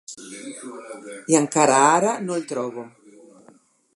I encara ara no el trobo.